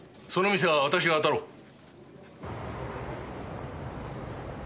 その店は私があたろう。